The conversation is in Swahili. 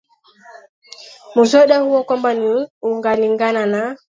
muswada huo kwamba ni unalingana na